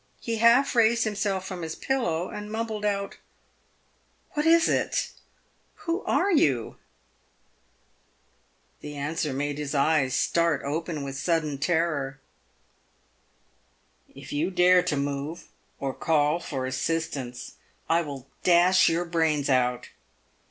He half raised himself from his pillow, and mumbled out, " "What is it ? "Who are you ?" The answer made his eyes start open with sudden terror. " If you dare to move or call for assistance I will dash your brains out."